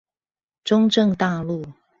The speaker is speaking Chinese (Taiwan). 中正大路